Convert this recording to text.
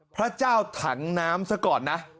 พระเจ้าถังน้ำซะก่อนนะ